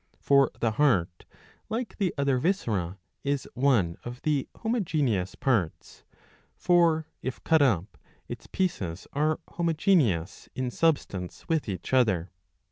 For the heart, like the other viscera, is one of the homogeneous parts ; for, if cut up, its pieces are homogeneous in substance with each other.